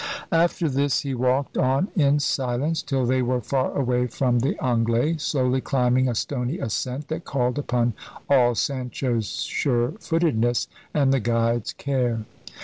After this he walked on in silence till they were far away from the "Anglais," slowly climbing a stony ascent that called upon all Sancho's sure footedness and the guide's care.